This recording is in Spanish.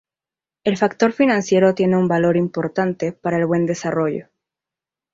El factor financiero tiene un valor importante para el buen desarrollo.